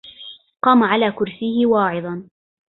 قام على كرسيه واعظا